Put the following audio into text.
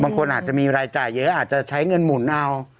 บางคนอาจจะมีรายจ่ายเยอะอาจจะใช้เงินหมุนเอา